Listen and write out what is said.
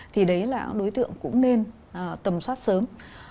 thì đấy là đối tượng cũng nên tầm soát sớm